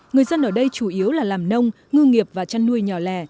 người dân ở đây chủ yếu là làm nông ngư nghiệp và chăn nuôi nhỏ lẻ